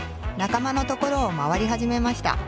仲間のところを回り始めました。